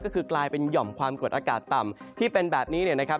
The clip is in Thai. ก็คือกลายเป็นหย่อมความกดอากาศต่ำที่เป็นแบบนี้เนี่ยนะครับ